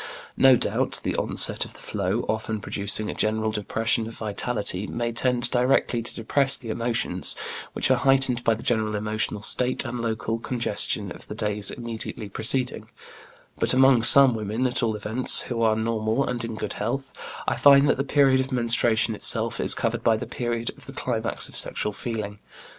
No doubt, the onset of the flow, often producing a general depression of vitality, may tend directly to depress the emotions, which are heightened by the general emotional state and local congestion of the days immediately preceding; but among some women, at all events, who are normal and in good health, I find that the period of menstruation itself is covered by the period of the climax of sexual feeling.